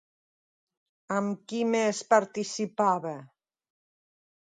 Amb qui més participava?